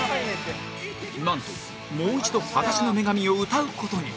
なんともう一度『裸足の女神』を歌う事に！